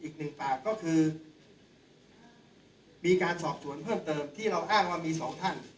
อีกหนึ่งปากก็คือมีการสอบสวนเพิ่มเติมที่เราอ้างว่ามีสองท่าน